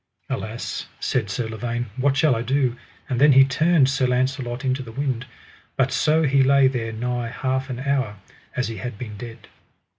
Alas, said Sir Lavaine, what shall I do? And then he turned Sir Launcelot into the wind, but so he lay there nigh half an hour as he had been dead.